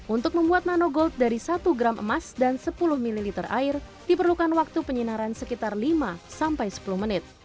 untuk membuat nanogold dari satu gram emas dan sepuluh ml air diperlukan waktu penyinaran sekitar lima sampai sepuluh menit